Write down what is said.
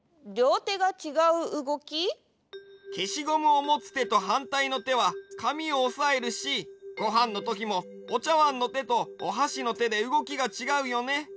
けしゴムをもつてとはんたいのてはかみをおさえるしごはんのときもおちゃわんのてとおはしのてでうごきがちがうよね。